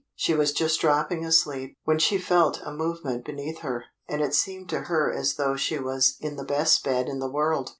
She was just dropping asleep, when she felt a movement beneath her, and it seemed to her as though she was in the best bed in the world.